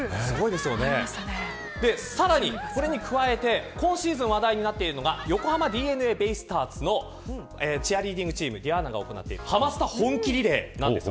さらにこれに加えて、今シーズン話題になっているのが横浜ＤｅＮＡベイスターズのチアリーディングチームが行っているハマスタ本気リレーなんです。